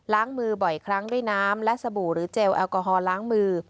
มือบ่อยครั้งด้วยน้ำและสบู่หรือเจลแอลกอฮอลล้างมือ